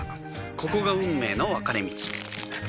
ここが運命の分かれ道